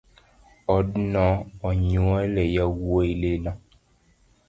Odno onyuole yawuoi lilo